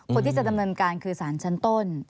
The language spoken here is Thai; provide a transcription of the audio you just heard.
คนที่จะดำเนินการคือสารชั้นต้น